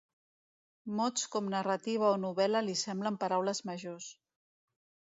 Mots com narrativa o novel.la li semblen paraules majors.